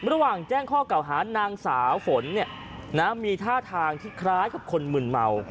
ระหว่างแจ้งข้อเก่าหานางสาวฝนมีท่าทางที่คล้ายกับคนมืนเมา